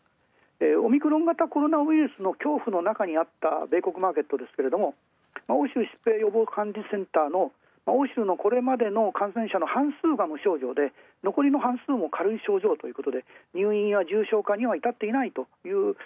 オミクロン株コロナウイルスの恐怖なかにあった米国マーケットですけど欧州疾病予防センターの欧州のこれまでの感染者の半数が無症状で、残りの半数も軽い症状ということで入院や重症化にいたっていない。